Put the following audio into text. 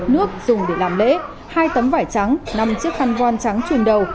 nước dùng để làm lễ hai tấm vải trắng năm chiếc khăn voi trắng chuồn đầu